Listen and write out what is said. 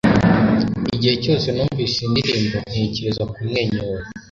Igihe cyose numvise iyi ndirimbo, ntekereza kumwenyura